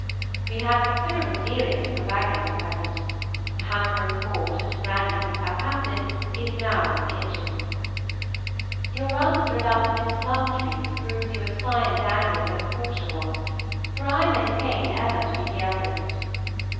We have considerable dealings with the wagons at present: a hamper of port and brandy from Southampton is now in the kitchen. Your answer about the Miss Plumbtrees proves you as fine a Daniel as ever Portia was; for I maintained Emma to be the eldest.